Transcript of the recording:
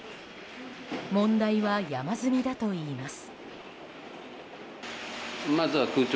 問題は山積みだといいます。